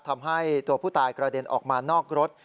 ทำให้ตัวผู้ตายกระเด็นออกมานอกรถ